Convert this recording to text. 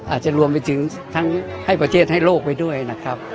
อาจจะรวมไปถึงทั้งให้ประเทศให้โลกไว้ด้วยนะครับ